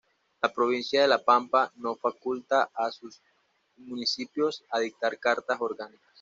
La provincia de La Pampa no faculta a sus municipios a dictar cartas orgánicas.